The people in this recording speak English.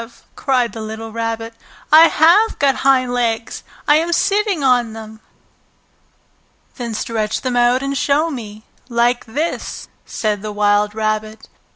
cried the little Rabbit. "I have got hind legs! I am sitting on them!" "Then stretch them out and show me, like this!" said the wild rabbit.